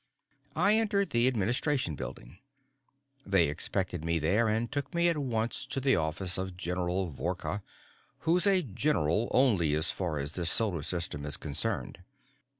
I entered the Administration Building. They expected me there and took me at once to the office of General Vorka, who's a general only as far as this solar system is concerned.